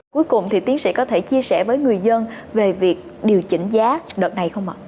cuối cùng thì tiến sĩ có thể chia sẻ với người dân về việc điều chỉnh giá đợt này không ạ